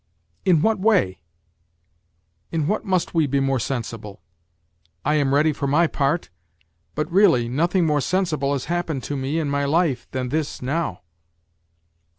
" In what way in what must we be more sensible ? I am ready for my part ; but, really, nothing more sensible has happened to me in my life than this, now."